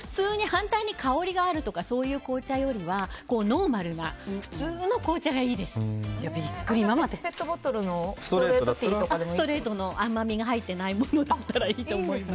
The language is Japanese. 反対に香りがあるとかそういう紅茶よりはノーマルなペットボトルのストレートの甘みが入ってないものならいいと思います。